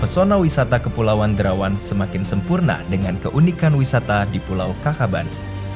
pesona wisata kepulauan derawan semakin sempurna dengan keunikan wisata di pulau kakaban